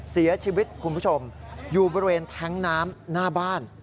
เสียชีวิตคุณผู้ชมอยู่บริเวณแทงน้ำหน้าบ้าน